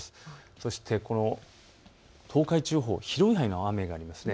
そして東海地方、広い範囲で雨なんです。